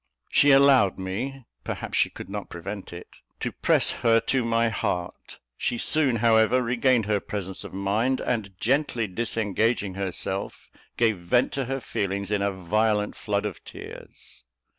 She allowed me perhaps she could not prevent it to press her to my heart. She soon, however, regained her presence of mind, and, gently disengaging herself, gave vent to her feelings in a violent flood of tears.